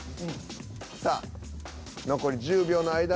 さあ残り１０秒の間に。